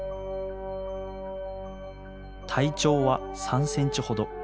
体長は３センチほど。